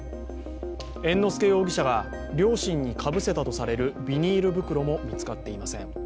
猿之助容疑者が両親にかぶせたとされるビニール袋も見つかっていません。